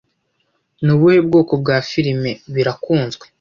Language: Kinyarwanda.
Ni ubuhe bwoko bwa firime? Birakunzwe?